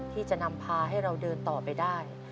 ที่จะนำพาให้เราเดินต่อไปได้